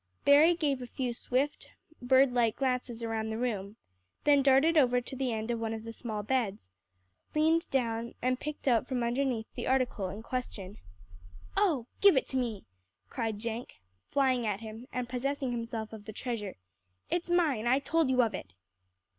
Berry gave a few swift, bird like glances around the room, then darted over to the end of one of the small beds, leaned down, and picked out from underneath the article in question. "Oh! give it to me," cried Jenk, flying at him, and possessing himself of the treasure; "it's mine; I told you of it."